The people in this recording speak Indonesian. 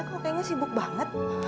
kamu kayaknya sibuk banget